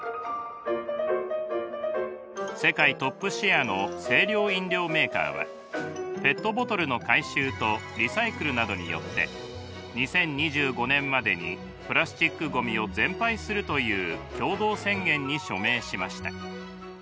世界トップシェアの清涼飲料メーカーはペットボトルの回収とリサイクルなどによって２０２５年までにプラスチックごみを全廃するという共同宣言に署名しました。